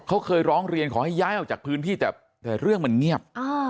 เขาเคยร้องเรียนขอให้ย้ายออกจากพื้นที่แต่เรื่องมันเงียบ